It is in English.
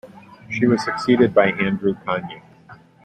She was succeeded by Andrew Kania.